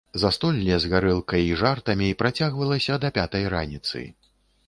Застолле з гарэлкай і жартамі працягвалася да пятай раніцы.